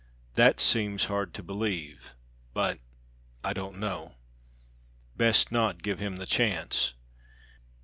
That seems hard to believe. But I don't know. Best not give him the chance.